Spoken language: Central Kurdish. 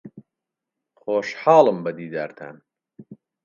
خۆشحاڵم بە دیدارتان.